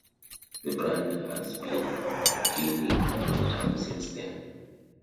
The brand has been regaining momentum since then.